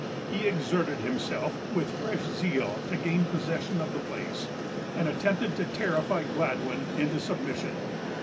He exerted himself with fresh zeal to gain possession of the place, and attempted to terrify Gladwyn into submission.